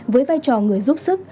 với vai trò người giúp sức